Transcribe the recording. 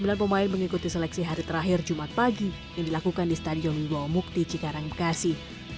banyak empat puluh sembilan pemain mengikuti seleksi hari terakhir jumat pagi yang dilakukan di stadion wibawamuk di cikarang bekasi